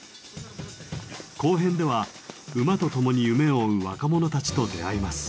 後編では馬と共に夢を追う若者たちと出会います。